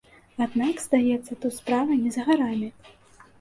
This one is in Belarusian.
Аднак, здаецца, тут справа не за гарамі.